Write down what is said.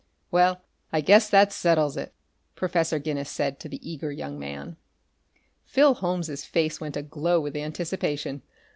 "Well, I guess that settles it," Professor Guinness said to the eager young man. Phil Holmes' face went aglow with anticipation.